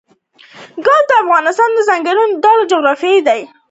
ګاز د افغانستان د ځانګړي ډول جغرافیه استازیتوب کوي.